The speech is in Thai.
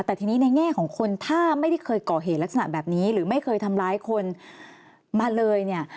แต่ทีนี้ในแง่ของคนถ้าไม่ได้เคยก่อเหตุลักษณะแบบนี้หรือไม่เคยทำร้ายคนมาเลยเนี่ย